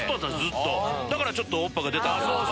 だからちょっとおっぱいが出た。